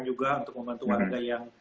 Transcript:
juga untuk membantu warga yang